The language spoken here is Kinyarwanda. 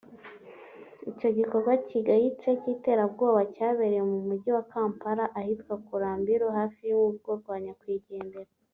Icyo gikorwa kigayitse cy’iterabwoba cyabereye mu mujyi wa Kampala ahitwa Kulambiro hafi y’urugo rwa nyakwigendera